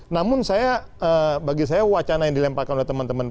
namun saya bagi saya wacana yang dilemparkan oleh teman teman